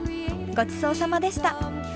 ごちそうさまでした。